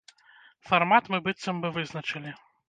Фармат мы быццам бы вызначылі.